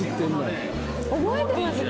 覚えてます？